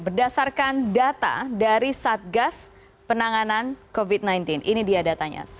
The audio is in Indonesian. berdasarkan data dari satgas penanganan covid sembilan belas ini dia datanya